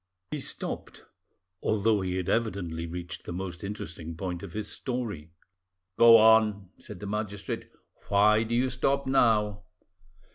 He stopped, although he had evidently reached the most interesting point of his story. "Go on," said the magistrate; "why do you stop now?"